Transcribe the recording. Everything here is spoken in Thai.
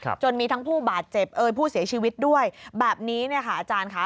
จนมีทั้งผู้บาดเจ็บเอ่ยผู้เสียชีวิตด้วยแบบนี้เนี่ยค่ะอาจารย์ค่ะ